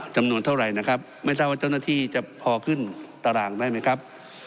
จำนวนเท่าไหร่นะครับไม่ทราบว่าเจ้าหน้าที่จะพอขึ้นตารางได้ไหมครับ